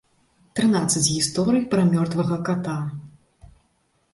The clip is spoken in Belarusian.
Трынаццаць гісторый пра мёртвага ката.